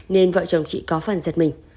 nên vợ chồng chị có phần giật mình